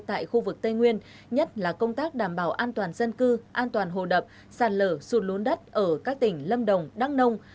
tại khu vực tây nguyên nhất là công tác đảm bảo an toàn dân cư an toàn hồ đập sạt lở sụt lún đất ở các tỉnh lâm đồng đăng nông